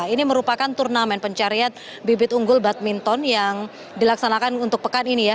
ini merupakan turnamen pencarian bibit unggul badminton yang dilaksanakan untuk pekan ini ya